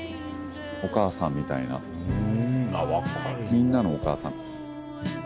みんなのお母さん。